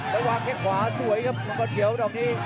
แล้ววางแค่ขวาสวยครับมังกรเขียวดอกนี้